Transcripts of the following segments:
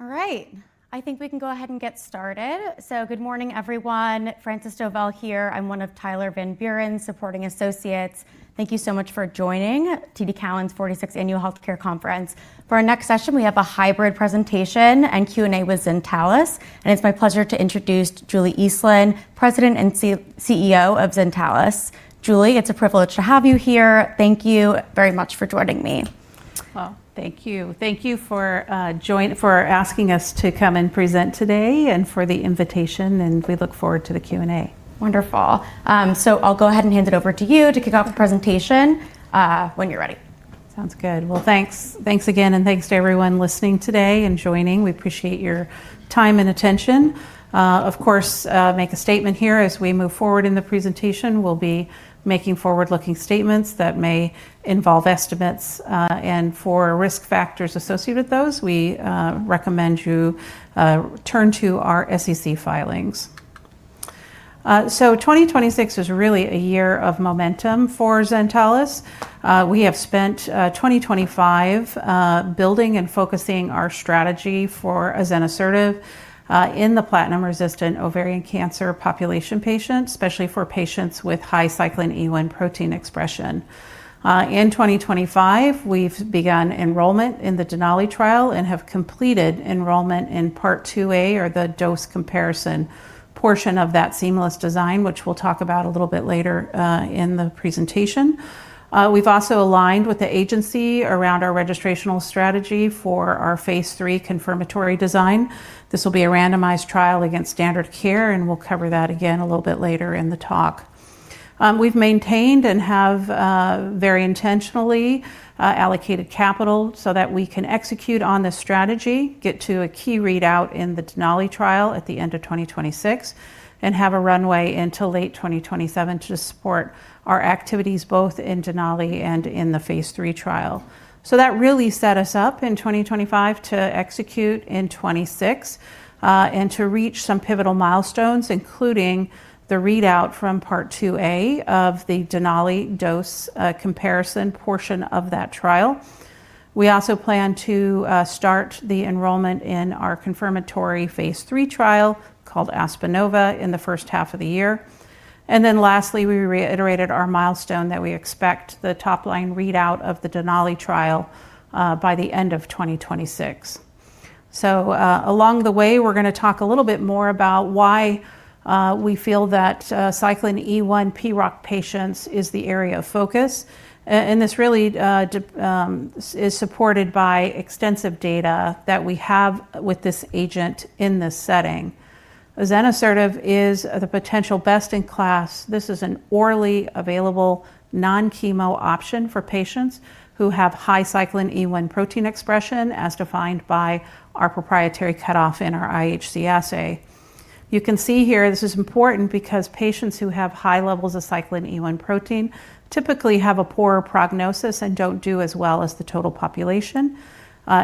I think we can go ahead and get started. Good morning, everyone. Francis Dolan here. I'm one of Tyler Van Buren's supporting associates. Thank you so much for joining TD Cowen's 46th Annual Healthcare Conference. For our next session, we have a hybrid presentation and Q&A with Zentalis. It's my pleasure to introduce Julie Eastland, President and CEO of Zentalis. Julie, it's a privilege to have you here. Thank you very much for joining me. Well, thank you. Thank you for asking us to come and present today and for the invitation. We look forward to the Q&A. Wonderful. I'll go ahead and hand it over to you to kick off the presentation, when you're ready. Sounds good. Well, thanks. Thanks again, and thanks to everyone listening today and joining. We appreciate your time and attention. Of course, make a statement here. As we move forward in the presentation, we'll be making forward-looking statements that may involve estimates, and for risk factors associated with those, we recommend you turn to our SEC filings. So 2026 was really a year of momentum for Zentalis. We have spent 2025 building and focusing our strategy for azenosertib in the Platinum-Resistant Ovarian Cancer population patients, especially for patients with high Cyclin E1 protein expression. In 2025, we've begun enrollment in the DENALI trial and have completed enrollment in Part 2A or the dose comparison portion of that seamless design, which we'll talk about a little bit later in the presentation. we've also aligned with the agency around our registrational strategy for our phase III confirmatory design. This will be a randomized trial against standard care, and we'll cover that again a little bit later in the talk. we've maintained and have very intentionally allocated capital so that we can execute on this strategy, get to a key readout in the DENALI trial at the end of 2026, and have a runway until late 2027 to support our activities both in DENALI and in the phase III trial. That really set us up in 2025 to execute in 2026, and to reach some pivotal milestones, including the readout from Part 2A of the DENALI dose comparison portion of that trial. We also plan to start the enrollment in our confirmatory Phase III trial called ASPENOVA in the first half of the year. Lastly, we reiterated our milestone that we expect the top-line readout of the DENALI trial by the end of 2026. Along the way, we're gonna talk a little bit more about why we feel that Cyclin E1 PROC patients is the area of focus, and this really is supported by extensive data that we have with this agent in this setting. Azenosertib is the potential best in class. This is an orally available non-chemo option for patients who have high Cyclin E1 protein expression as defined by our proprietary cutoff in our IHC assay. You can see here this is important because patients who have high levels of Cyclin E1 protein typically have a poorer prognosis and don't do as well as the total population.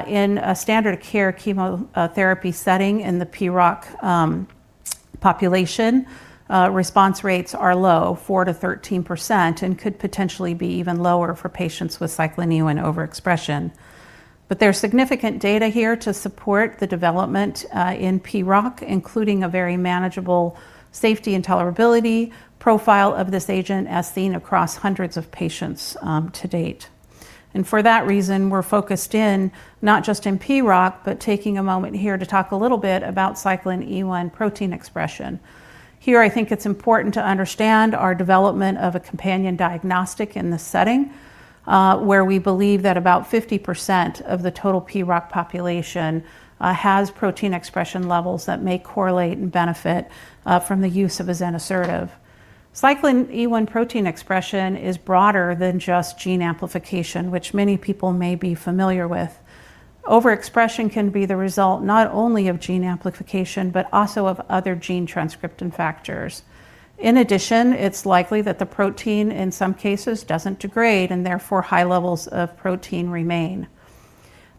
In a standard of care chemo therapy setting in the PROC population, response rates are low, 4%-13%, and could potentially be even lower for patients with Cyclin E1 overexpression. There are significant data here to support the development in PROC, including a very manageable safety and tolerability profile of this agent as seen across hundreds of patients to date. For that reason, we're focused in not just in PROC, but taking a moment here to talk a little bit about Cyclin E1 protein expression. Here, I think it's important to understand our development of a companion diagnostic in this setting, where we believe that about 50% of the total PROC population, has protein expression levels that may correlate and benefit, from the use of azenosertib. Cyclin E1 protein expression is broader than just gene amplification, which many people may be familiar with. Overexpression can be the result not only of gene amplification, but also of other gene transcription factors. In addition, it's likely that the protein in some cases doesn't degrade, and therefore high levels of protein remain.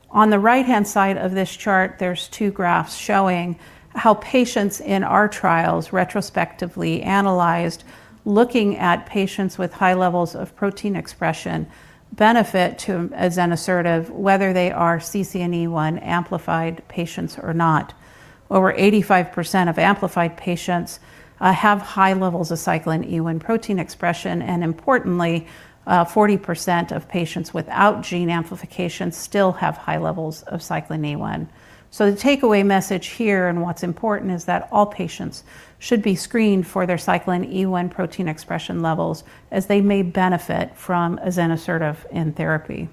On the right-hand side of this chart, there's 2 graphs showing how patients in our trials retrospectively analyzed, looking at patients with high levels of protein expression benefit to azenosertib, whether they are CCNE1 amplified patients or not. Over 85% of amplified patients have high levels of Cyclin E1 protein expression. Importantly, 40% of patients without gene amplification still have high levels of Cyclin E1. The takeaway message here, and what's important, is that all patients should be screened for their Cyclin E1 protein expression levels as they may benefit from azenosertib in therapy.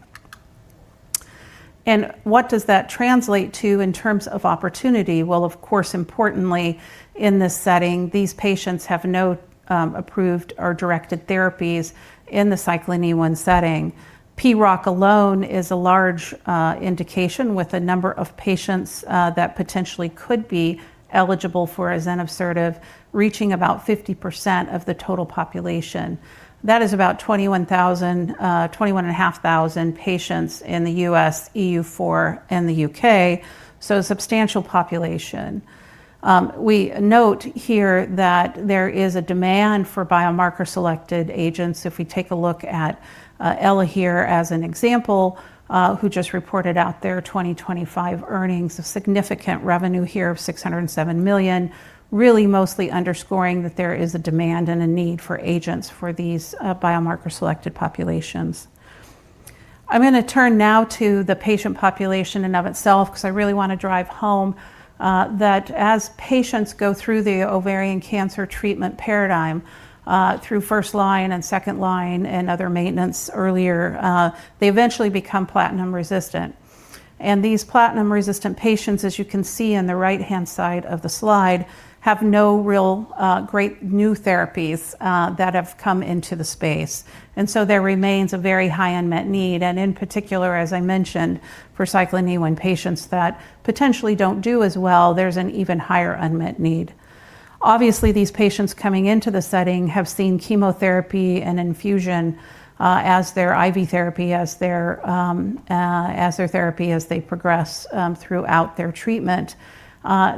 What does that translate to in terms of opportunity? Well, of course, importantly, in this setting, these patients have no approved or directed therapies in the Cyclin E1 setting. PROC alone is a large indication with a number of patients that potentially could be eligible for azenosertib, reaching about 50% of the total population. That is about 21,000, twenty-one and a half thousand patients in the U.S., EU four, and the U.K., so a substantial population. We note here that there is a demand for biomarker selected agents. If we take a look at Elahere as an example, who just reported out their 2025 earnings of significant revenue here of $607 million, really mostly underscoring that there is a demand and a need for agents for these biomarker selected populations. I'm gonna turn now to the patient population in and of itself because I really want to drive home that as patients go through the ovarian cancer treatment paradigm, through first-line and second-line and other maintenance earlier, they eventually become platinum-resistant. These platinum-resistant patients, as you can see on the right-hand side of the slide, have no real great new therapies that have come into the space. There remains a very high unmet need, and in particular, as I mentioned, for Cyclin E1 patients that potentially don't do as well, there's an even higher unmet need. Obviously, these patients coming into the setting have seen chemotherapy and infusion as their IV therapy, as their therapy as they progress throughout their treatment.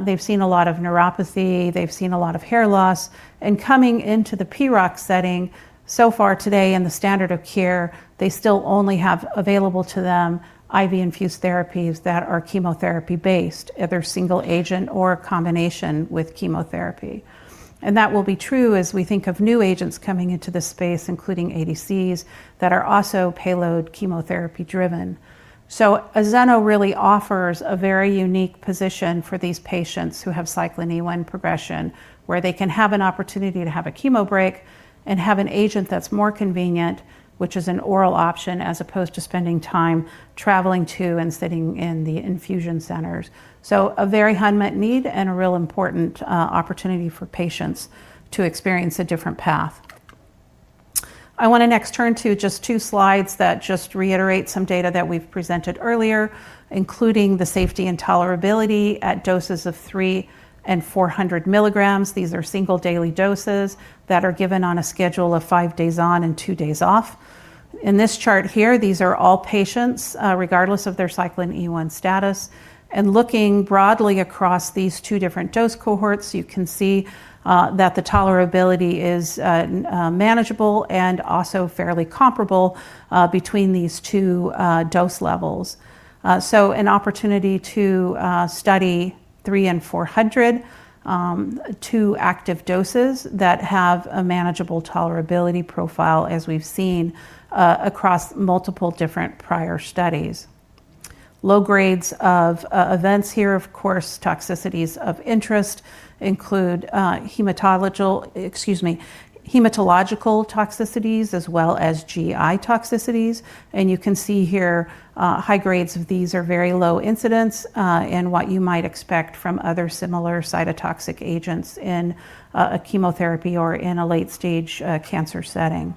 They've seen a lot of neuropathy, they've seen a lot of hair loss, and coming into the PROC setting, so far today in the standard of care, they still only have available to them IV infused therapies that are chemotherapy based, either single agent or a combination with chemotherapy. That will be true as we think of new agents coming into this space, including ADCs, that are also payload chemotherapy driven. Azeno really offers a very unique position for these patients who have Cyclin E1 progression, where they can have an opportunity to have a chemo break and have an agent that's more convenient, which is an oral option, as opposed to spending time traveling to and sitting in the infusion centers. A very high unmet need and a real important opportunity for patients to experience a different path. I want to next turn to just 2 slides that just reiterate some data that we've presented earlier, including the safety and tolerability at doses of 3 and 400 milligrams. These are single daily doses that are given on a schedule of 5 days on and 2 days off. In this chart here, these are all patients, regardless of their Cyclin E1 status. Looking broadly across these two different dose cohorts, you can see that the tolerability is manageable and also fairly comparable between these two dose levels. An opportunity to study 300 and 400, two active doses that have a manageable tolerability profile, as we've seen across multiple different prior studies. Low grades of events here, of course, toxicities of interest include hematological toxicities as well as GI toxicities. You can see here, high grades of these are very low incidence, and what you might expect from other similar cytotoxic agents in a chemotherapy or in a late-stage cancer setting.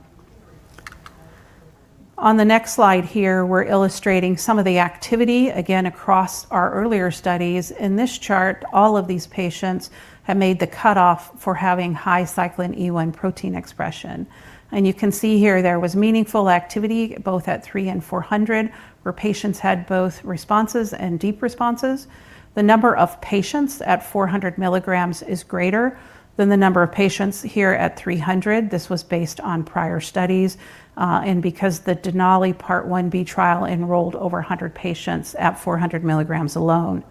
The next slide here, we're illustrating some of the activity, again, across our earlier studies. In this chart, all of these patients have made the cutoff for having high Cyclin E1 protein expression. You can see here there was meaningful activity both at 3 and 400, where patients had both responses and deep responses. The number of patients at 400 milligrams is greater than the number of patients here at 300. This was based on prior studies, and because the DENALI Part 1b trial enrolled over 100 patients at 400 milligrams alone.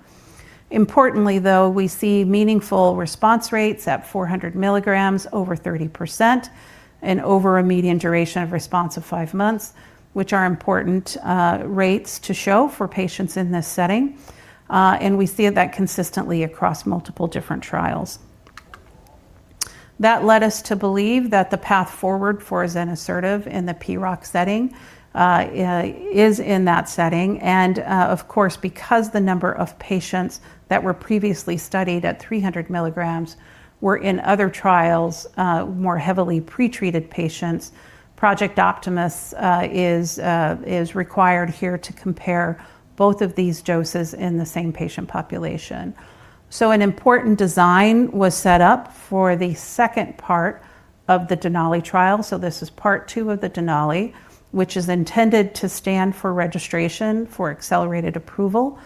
Importantly, though, we see meaningful response rates at 400 milligrams over 30% and over a median duration of response of 5 months, which are important rates to show for patients in this setting. We see that consistently across multiple different trials. That led us to believe that the path forward for Azenosertib in the PROC setting is in that setting. Of course, because the number of patients that were previously studied at 300 milligrams were in other trials, more heavily pretreated patients, Project Optimus is required here to compare both of these doses in the same patient population. An important design was set up for the second part of the DENALI trial. This is part two of the DENALI, which is intended to stand for registration for accelerated approval.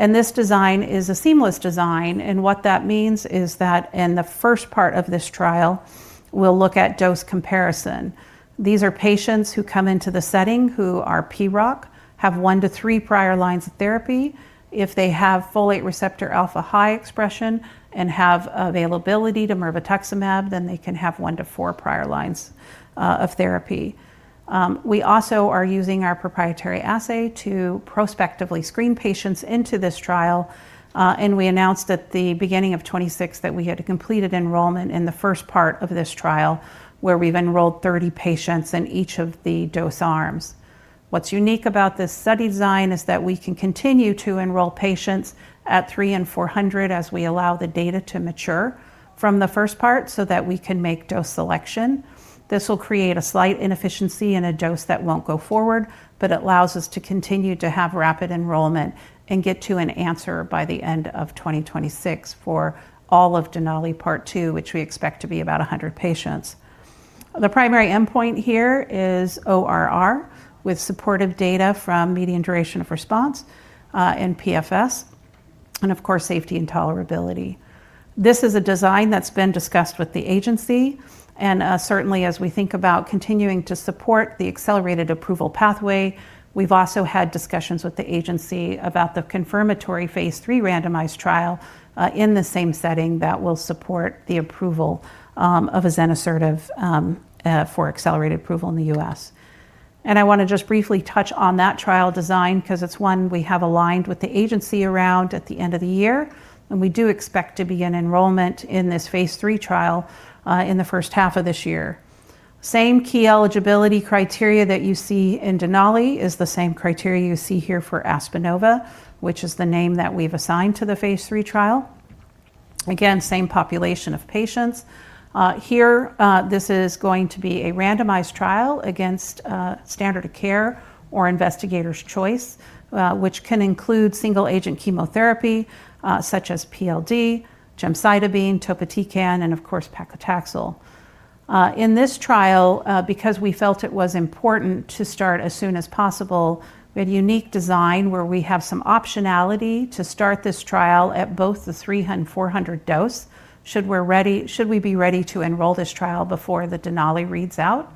This design is a seamless design, and what that means is that in the first part of this trial, we'll look at dose comparison. These are patients who come into the setting who are PROC, have one to three prior lines of therapy. If they have folate receptor alpha high expression and have availability to mirvetuximab, then they can have one to four prior lines of therapy. We also are using our proprietary assay to prospectively screen patients into this trial. We announced at the beginning of 2026 that we had completed enrollment in the first part of this trial, where we've enrolled 30 patients in each of the dose arms. What's unique about this study design is that we can continue to enroll patients at 300 and 400 as we allow the data to mature from the first part so that we can make dose selection. This will create a slight inefficiency in a dose that won't go forward, but it allows us to continue to have rapid enrollment and get to an answer by the end of 2026 for all of DENALI Part 2, which we expect to be about 100 patients. The primary endpoint here is ORR with supportive data from median duration of response, and PFS, and of course, safety and tolerability. This is a design that's been discussed with the agency and certainly as we think about continuing to support the accelerated approval pathway, we've also had discussions with the agency about the confirmatory phase III randomized trial in the same setting that will support the approval of Azenosertib for accelerated approval in the US. I want to just briefly touch on that trial design because it's one we have aligned with the agency around at the end of the year, and we do expect to begin enrollment in this phase III trial in the first half of this year. Same key eligibility criteria that you see in DENALI is the same criteria you see here for ASPENOVA, which is the name that we've assigned to the phase III trial. Again, same population of patients. Here, this is going to be a randomized trial against standard of care or investigator's choice, which can include single-agent chemotherapy, such as PLD, gemcitabine, topotecan, and of course, paclitaxel. In this trial, because we felt it was important to start as soon as possible with unique design where we have some optionality to start this trial at both the 400 dose should we be ready to enroll this trial before the DENALI reads out.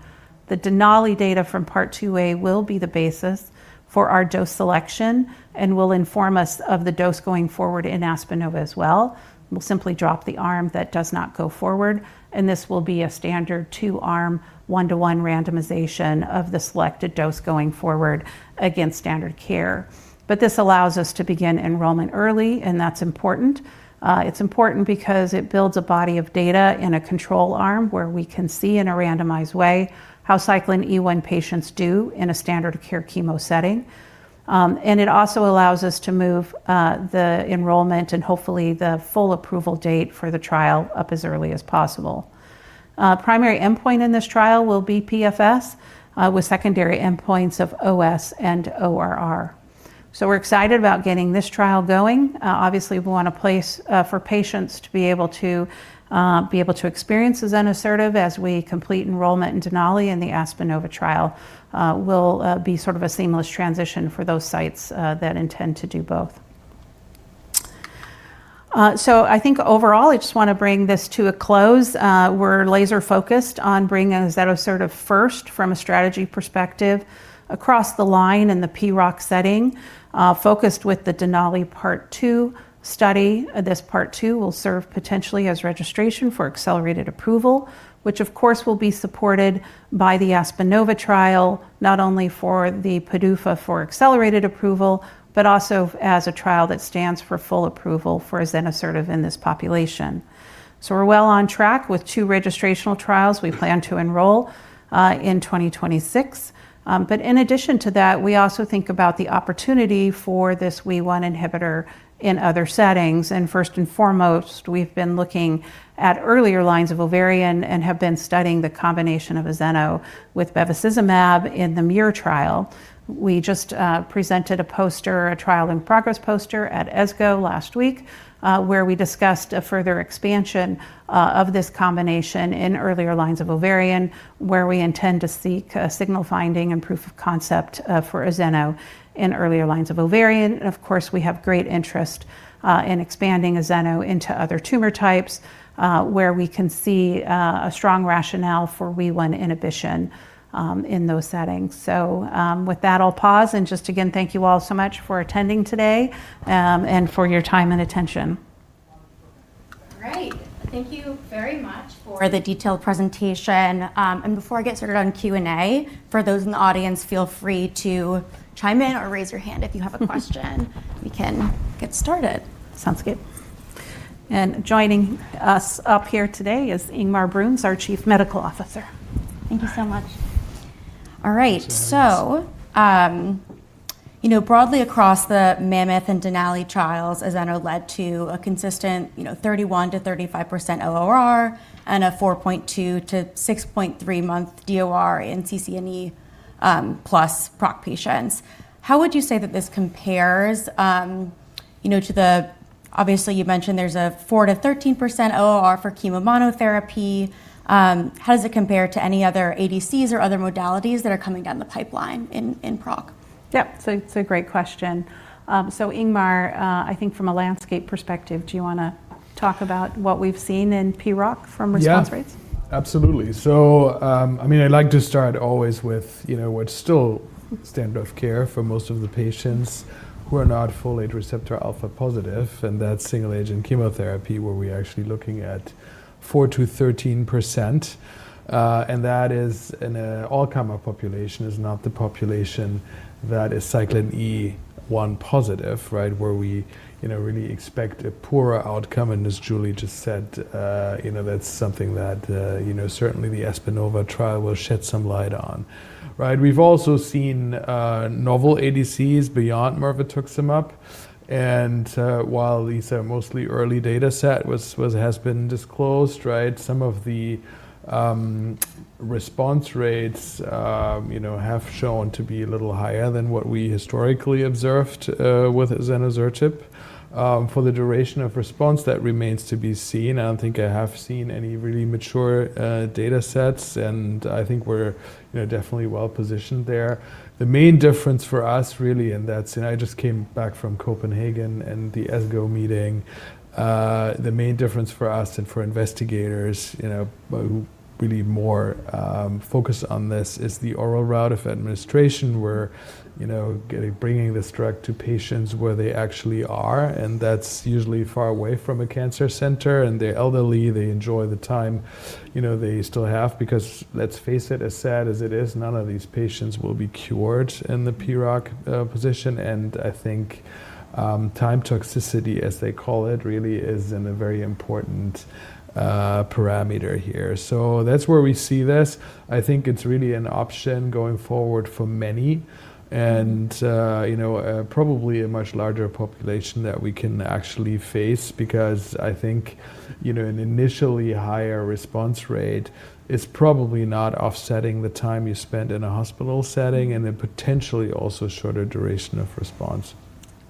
The DENALI data from part 2A will be the basis for our dose selection and will inform us of the dose going forward in ASPENOVA as well. We'll simply drop th arm that does not go forward, and this will be a standard 2-arm, 1-to-1 randomization of the selected dose going forward against standard care. This allows us to begin enrollment early, and that's important. It's important because it builds a body of data in a control arm where we can see in a randomized way how Cyclin E1 patients do in a standard care chemo setting. And it also allows us to move the enrollment and hopefully the full approval date for the trial up as early as possible. Primary endpoint in this trial will be PFS with secondary endpoints of OS and ORR. We're excited about getting this trial going. Obviously we want a place for patients to be able to experience Azenosertib as we complete enrollment in DENALI and the ASPENOVA trial will be sort of a seamless transition for those sites that intend to do both. I think overall, I just want to bring this to a close. We're laser-focused on bringing Azenosertib first from a strategy perspective across the line in the PROC setting, focused with the DENALI Part 2 study. This Part 2 will serve potentially as registration for accelerated approval, which of course will be supported by the ASPENOVA trial, not only for the PDUFA for accelerated approval, but also as a trial that stands for full approval for Azenosertib in this population. We're well on track with two registrational trials we plan to enroll in 2026. In addition to that, we also think about the opportunity for this WEE1 inhibitor in other settings. First and foremost, we've been looking at earlier lines of ovarian and have been studying the combination of Azeno with bevacizumab in the MIREE trial. We just presented a poster, a trial in progress poster at ASCO last week, where we discussed a further expansion of this combination in earlier lines of ovarian, where we intend to seek signal finding and proof of concept for Azeno in earlier lines of ovarian. Of course, we have great interest in expanding Azeno into other tumor types, where we can see a strong rationale for WEE1 inhibition, in those settings. With that, I'll pause and just again, thank you all so much for attending today, and for your time and attention. All right. Thank you very much for the detailed presentation. Before I get started on Q&A, for those in the audience, feel free to chime in or raise your hand if you have a question. We can get started. Sounds good. Joining us up here today is Ingmar Bruns, our Chief Medical Officer. Thank you so much. All right. Thanks. You know, broadly across the MAMMOTH and DENALI trials, Azeno led to a consistent, you know, 31%-35% ORR and a 4.2-6.3-month DOR in CCNE plus PROC patients. How would you say that this compares, you know, to the. Obviously, you mentioned there's a 4%-13% ORR for chemo monotherapy. How does it compare to any other ADCs or other modalities that are coming down the pipeline in PROC? Yep. It's a great question. Ingmar, I think from a landscape perspective, do you wanna talk about what we've seen in PROC from response rates? Absolutely. I mean, I'd like to start always with, you know, what's still standard of care for most of the patients who are not folate receptor alpha positive, and that's single agent chemotherapy, where we're actually looking at 4%-13%. That is in an all comer population, is not the population that is Cyclin E1 positive, right? Where we, you know, really expect a poorer outcome. As Julie just said, you know, that's something that, you know, certainly the ASPENOVA trial will shed some light on, right? We've also seen novel ADCs beyond mirvetuximab. While these are mostly early data set has been disclosed, right? Some of the response rates, you know, have shown to be a little higher than what we historically observed with azenosertib. For the duration of response, that remains to be seen. I don't think I have seen any really mature data sets, I think we're, you know, definitely well-positioned there. The main difference for us really, I just came back from Copenhagen and the ASCO meeting. The main difference for us and for investigators, you know, who really more focus on this, is the oral route of administration. We're, you know, bringing this drug to patients where they actually are, That's usually far away from a cancer center. They're elderly, they enjoy the time, you know, they still have because let's face it, as sad as it is, none of these patients will be cured in the PROC position. I think time toxicity, as they call it, really is a very important parameter here. That's where we see this. I think it's really an option going forward for many and, you know, probably a much larger population that we can actually face because I think, you know, an initially higher response rate is probably not offsetting the time you spend in a hospital setting, and then potentially also shorter duration of response.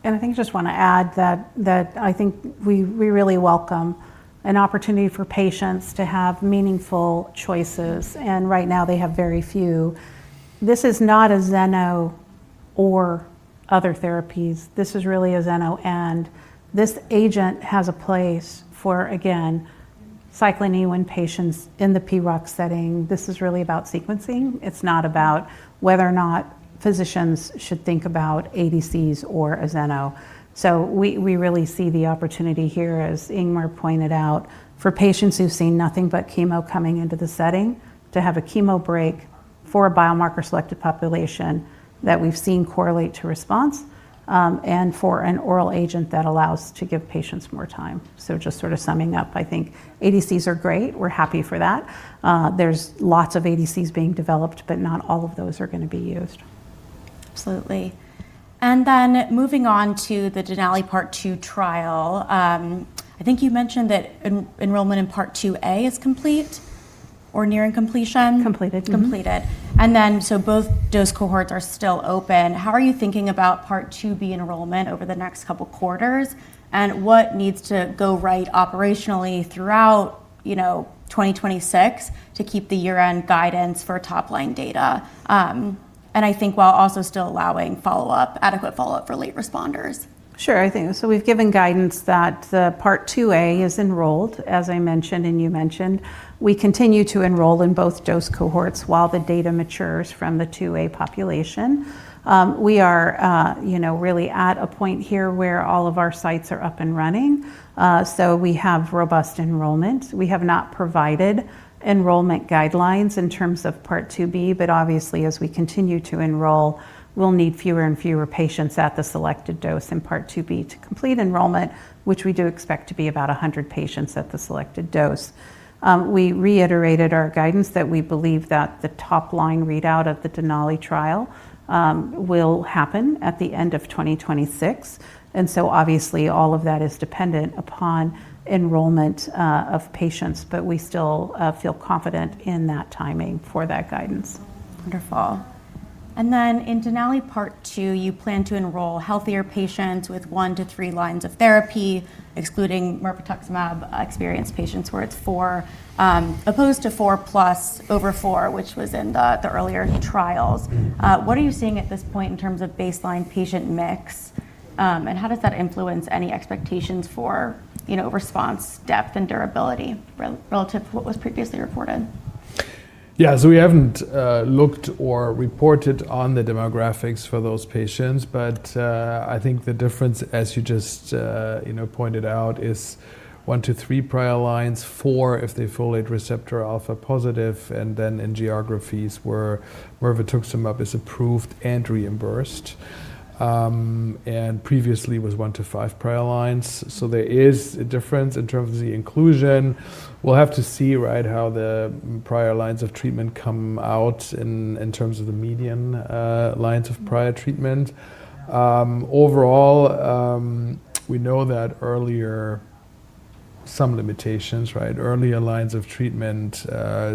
I think I just wanna add that I think we really welcome an opportunity for patients to have meaningful choices. Right now they have very few. This is not Azeno or other therapies. This is really Azeno, and this agent has a place for, again, Cyclin E1 patients in the PROC setting. This is really about sequencing. It's not about whether or not physicians should think about ADCs or Azeno. We really see the opportunity here, as Ingmar pointed out, for patients who've seen nothing but chemo coming into the setting to have a chemo break for a biomarker-selected population that we've seen correlate to response, and for an oral agent that allows to give patients more time. Just sort of summing up, I think ADCs are great. We're happy for that. There's lots of ADCs being developed, but not all of those are gonna be used. Absolutely. Moving on to the DENALI Part 2 trial, I think you mentioned that enrollment in Part IIa is complete or near in completion? Completed. Mm-hmm. Completed. Both dose cohorts are still open. How are you thinking about Part IIb enrollment over the next couple quarters? What needs to go right operationally throughout, you know, 2026 to keep the year-end guidance for top-line data? I think while also still allowing follow-up, adequate follow-up for late responders. Sure. I think so we've given guidance that Part IIa is enrolled, as I mentioned and you mentioned. We continue to enroll in both dose cohorts while the data matures from the IIa population. We are, you know, really at a point here where all of our sites are up and running. We have robust enrollment. We have not provided enrollment guidelines in terms of Part IIb. Obviously, as we continue to enroll, we'll need fewer and fewer patients at the selected dose in Part IIb to complete enrollment, which we do expect to be about 100 patients at the selected dose. We reiterated our guidance that we believe that the top-line readout of the DENALI trial will happen at the end of 2026. Obviously all of that is dependent upon enrollment of patients. We still feel confident in that timing for that guidance. Wonderful. In DENALI Part II, you plan to enroll healthier patients with 1 to 3 lines of therapy, excluding mirvetuximab-experienced patients, where it's 4, opposed to 4+ over 4, which was in the earlier trials. Mm-hmm. What are you seeing at this point in terms of baseline patient mix, and how does that influence any expectations for, you know, response depth and durability relative to what was previously reported? We haven't looked or reported on the demographics for those patients. I think the difference, as you just, you know, pointed out, is one to three prior lines, four if they're folate receptor alpha positive, and then in geographies where mirvetuximab is approved and reimbursed, and previously was one to five prior lines. There is a difference in terms of the inclusion. We'll have to see, right, how the prior lines of treatment come out in terms of the median lines of prior treatment. We know Some limitations, right? Earlier lines of treatment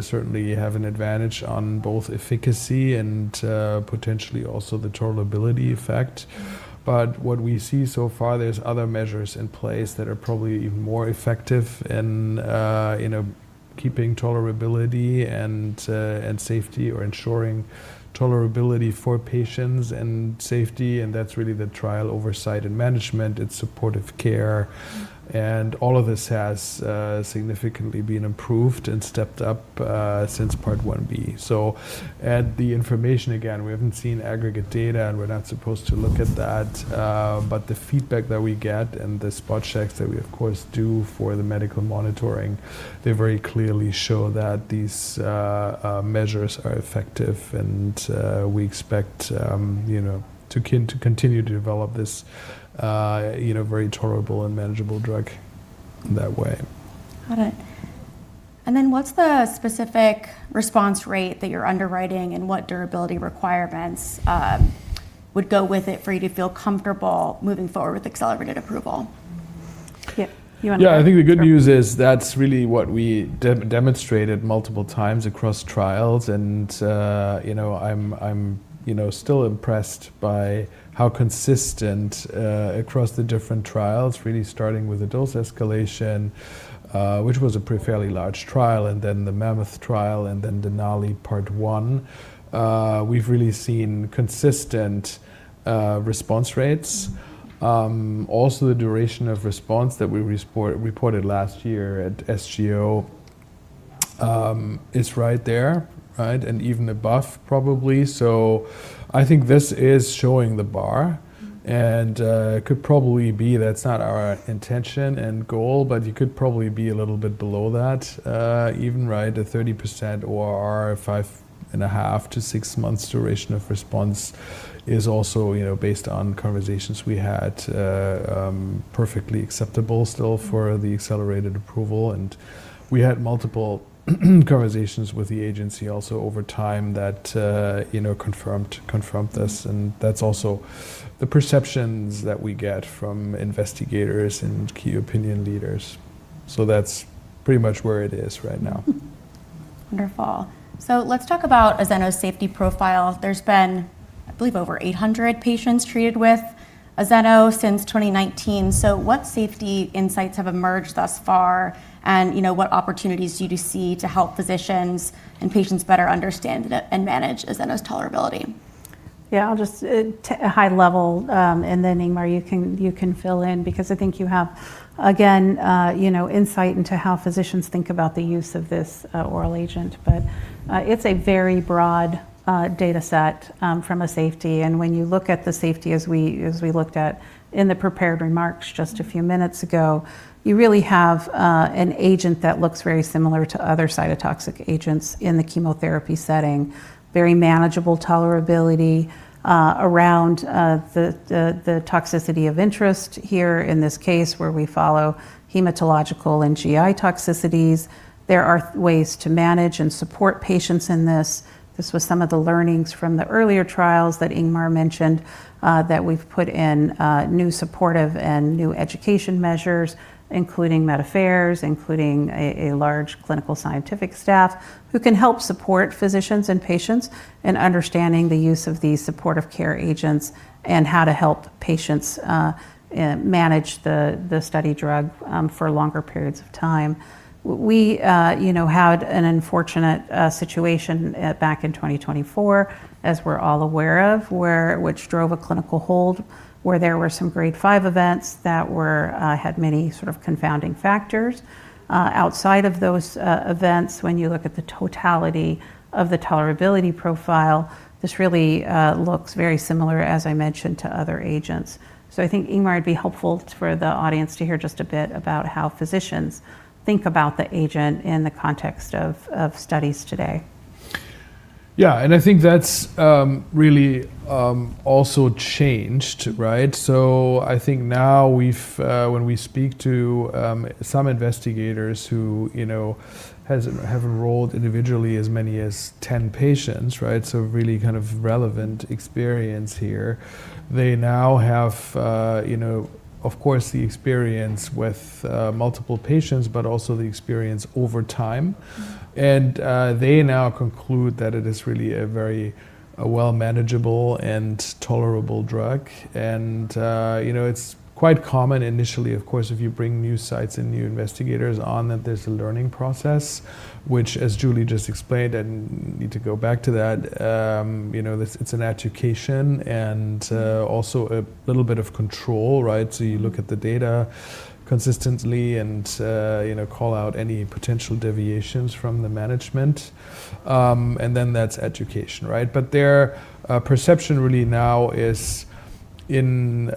certainly have an advantage on both efficacy and potentially also the tolerability effect. Mm-hmm. What we see so far, there's other measures in place that are probably even more effective in, you know, keeping tolerability and safety or ensuring tolerability for patients and safety, and that's really the trial oversight and management. It's supportive care. Mm-hmm. All of this has significantly been improved and stepped up since Part Ib. At the information, again, we haven't seen aggregate data, and we're not supposed to look at that. The feedback that we get and the spot checks that we, of course, do for the medical monitoring, they very clearly show that these measures are effective and we expect, you know, to continue to develop this, you know, very tolerable and manageable drug that way. Got it. What's the specific response rate that you're underwriting, and what durability requirements would go with it for you to feel comfortable moving forward with accelerated approval? Yeah. You wanna go? Yeah. I think the good news is that's really what we demonstrated multiple times across trials and, you know, I'm, you know, still impressed by how consistent across the different trials, really starting with the dose escalation, which was a fairly large trial, and then the MAMMOTH trial, and then DENALI Part 1. We've really seen consistent response rates. Mm-hmm. also the duration of response that we reported last year at SGO, it's right there, right? Even above probably. I think this is showing the bar- Mm-hmm. Could probably be that's not our intention and goal, but you could probably be a little bit below that, even right at 30% ORR, 5.5-6 months duration of response is also, you know, based on conversations we had, perfectly acceptable still for the accelerated approval. We had multiple conversations with the agency also over time that, you know, confirmed this. That's also the perceptions that we get from investigators and key opinion leaders. That's pretty much where it is right now. Wonderful. Let's talk about Azeno's safety profile. There's been, I believe, over 800 patients treated with Azeno since 2019. What safety insights have emerged thus far? you know, what opportunities do you see to help physicians and patients better understand and manage Azeno's tolerability? Yeah, I'll just a high level, and then Ingmar, you can fill in because I think you have again, you know, insight into how physicians think about the use of this oral agent. It's a very broad data set from a safety. When you look at the safety as we looked at in the prepared remarks just a few minutes ago, you really have an agent that looks very similar to other cytotoxic agents in the chemotherapy setting. Very manageable tolerability around the toxicity of interest here in this case, where we follow hematological and GI toxicities. There are ways to manage and support patients in this. This was some of the learnings from the earlier trials that Ingmar mentioned, that we've put in new supportive and new education measures, including MedAffairs, including a large clinical scientific staff who can help support physicians and patients in understanding the use of these supportive care agents and how to help patients manage the study drug for longer periods of time. We, you know, had an unfortunate situation back in 2024, as we're all aware of, which drove a clinical hold, where there were some grade 5 events that were had many sort of confounding factors. Outside of those events, when you look at the totality of the tolerability profile, this really looks very similar, as I mentioned, to other agents. I think Ingmar, it'd be helpful for the audience to hear just a bit about how physicians think about the agent in the context of studies today. Yeah. I think that's really also changed, right? I think now we've, when we speak to some investigators who, you know, have enrolled individually as many as 10 patients, right? Really kind of relevant experience here. They now have, you know, of course, the experience with multiple patients, but also the experience over time. Mm-hmm. They now conclude that it is really a very, a well manageable and tolerable drug. You know, it's quite common initially, of course, if you bring new sites and new investigators on that there's a learning process, which as Julie just explained, I need to go back to that. You know, this it's an education and also a little bit of control, right? You look at the data consistently and, you know, call out any potential deviations from the management. That's education, right? Their perception really now is in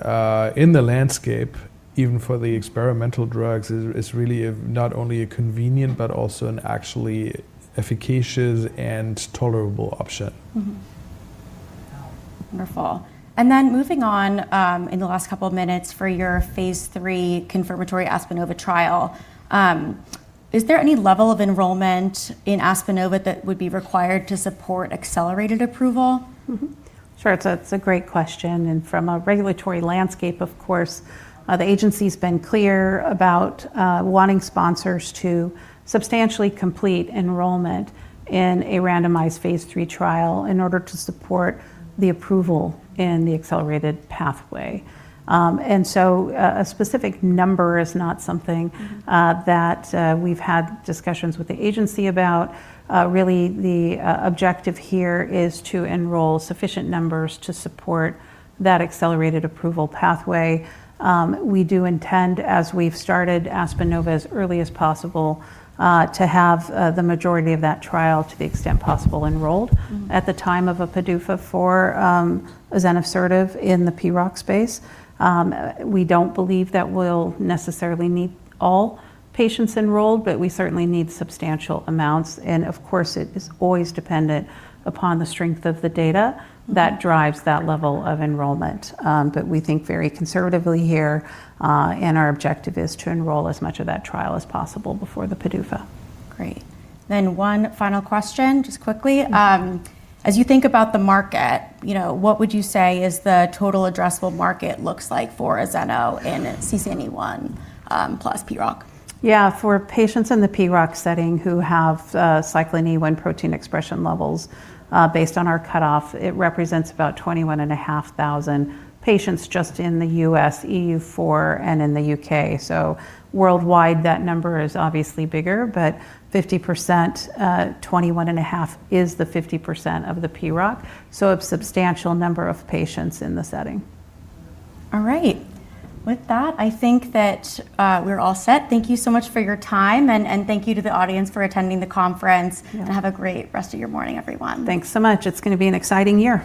the landscape, even for the experimental drugs, is really a not only a convenient but also an actually efficacious and tolerable option. Wonderful. Moving on, in the last couple of minutes for your phase III confirmatory ASPENOVA trial, is there any level of enrollment in ASPENOVA that would be required to support accelerated approval? Sure. It's a great question. From a regulatory landscape, of course, the agency's been clear about wanting sponsors to substantially complete enrollment in a randomized phase III trial in order to support the approval in the accelerated pathway. So a specific number is not something. Mm-hmm. That, we've had discussions with the agency about. Really the objective here is to enroll sufficient numbers to support that accelerated approval pathway. We do intend, as we've started ASPENOVA as early as possible, to have the majority of that trial, to the extent possible, enrolled- Mm-hmm. At the time of a PDUFA for, Azenosertib in the PROC space. We don't believe that we'll necessarily need all patients enrolled, but we certainly need substantial amounts. Of course, it is always dependent upon the strength of the data that drives that level of enrollment. We think very conservatively here, and our objective is to enroll as much of that trial as possible before the PDUFA. Great. One final question, just quickly. Mm-hmm. As you think about the market, you know, what would you say is the total addressable market looks like for Azeno in CCNE1 plus PROC? Yeah. For patients in the PROC setting who have Cyclin E1 protein expression levels, based on our cutoff, it represents about 21,500 patients just in the U.S., EU4, and in the U.K. Worldwide, that number is obviously bigger, but 50%, 21,500 is the 50% of the PROC. A substantial number of patients in the setting. Right. With that, I think that we're all set. Thank you so much for your time, and thank you to the audience for attending the conference. Yeah. Have a great rest of your morning, everyone. Thanks so much. It's gonna be an exciting year.